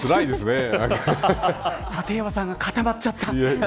立岩さんが固まっちゃった。